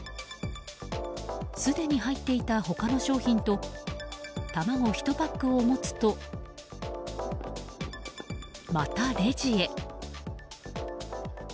すでに入っていた他の商品と卵１パックを持つと、またレジへ。